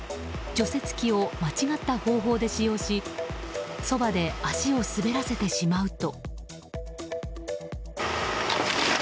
除雪機を間違った方法で使用しそばで足を滑らせてしまうと。